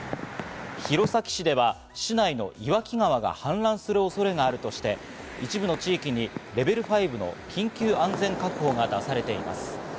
弘前市では市内の岩木川が氾濫する恐れがあるとして、一部の地域にレベル５の緊急安全確保が出されています。